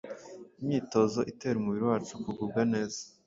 Imyitozo itera umubiri wacu kugubwa neza.